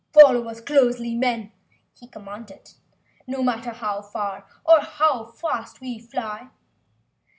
"Follow us closely, men," he commanded gruffly, "no matter how far or fast we fly."